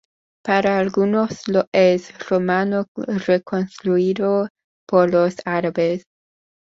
Para algunos es romano reconstruido por los árabes.